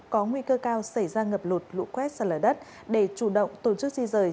có nguy cơ cao xảy ra ngập lụt lũ quét sạt lở đất để chủ động tổ chức di rời